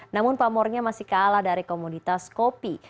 namun pamornya masih kalah dari komoditas kopi